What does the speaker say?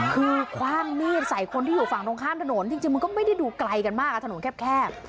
คือคว่างมีดใส่คนที่อยู่ฝั่งตรงข้ามถนนจริงมันก็ไม่ได้ดูไกลกันมากถนนแคบ